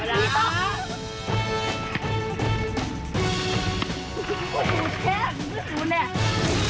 แค่หรือหนูแน่